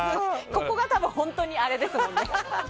ここが本当にあれですもんね。